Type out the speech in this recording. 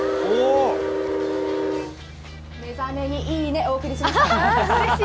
「目覚めのいい音」をお送りしました。